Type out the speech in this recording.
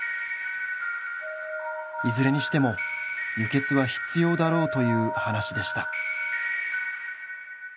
「いずれにしても輸血は必要だろうという話でした」